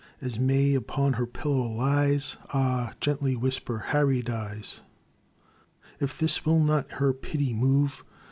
As May upon her pillow lies, Ah ! gently whisper — Harry dies." " If this will not her pity move.